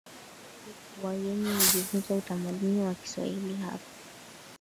Wageni hujifunza utamaduni wa kisiwani hapo